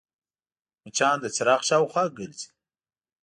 مچان د څراغ شاوخوا ګرځي